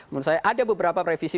menurut saya ada beberapa revisi